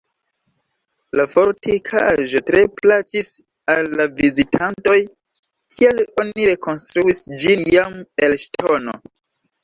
La fortikaĵo tre plaĉis al la vizitantoj, tial oni rekonstruis ĝin jam el ŝtono.